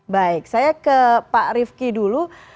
baik saya ke pak rifki dulu